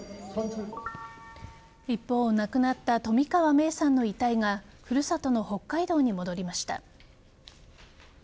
一方亡くなった冨川芽生さんの遺体が古里の北海道に戻りました。